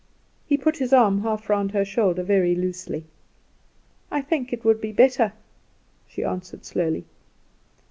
He put his arm half round her shoulder, very loosely. "I think it would be better," she answered, slowly.